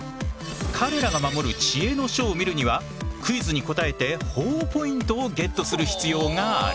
彼らが守る知恵の書を見るにはクイズに答えてほぉポイントをゲットする必要がある。